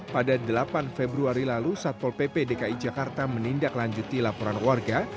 pada delapan februari lalu satpol pp dki jakarta menindaklanjuti laporan warga